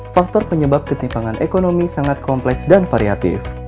faktor penyebab ketimpangan ekonomi sangat kompleks dan variatif